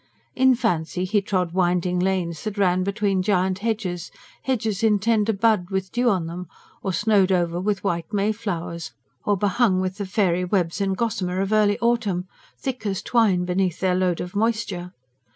In fancy he trod winding lanes that ran between giant hedges: hedges in tender bud, with dew on them; or snowed over with white mayflowers; or behung with the fairy webs and gossamer of early autumn, thick as twine beneath their load of moisture.